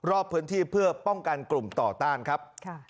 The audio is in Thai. รอบพื้นที่เพื่อป้องกันกลุ่มต่อต้านครับ